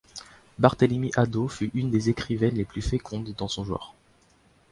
Barthélemy-Hadot fut une des écrivaines les plus fécondes dans son genre.